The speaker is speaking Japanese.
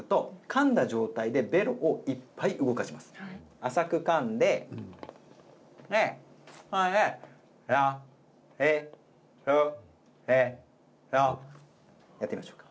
浅くかんでこれでやってみましょうか。